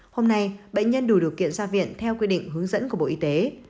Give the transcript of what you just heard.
hôm nay bệnh nhân đủ điều kiện ra viện theo quy định hướng dẫn của bộ y tế